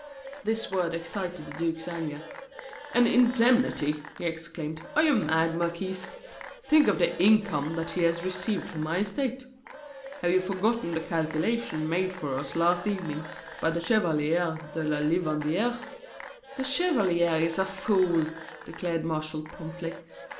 This word excited the duke's anger. "An indemnity!" he exclaimed. "Are you mad, Marquis? Think of the income that he has received from my estate. Have you forgotten the calculation made for us last evening by the Chevalier de la Livandiere?" "The chevalier is a fool!" declared Martial promptly.